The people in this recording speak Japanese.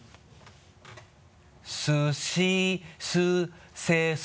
「すしすせす」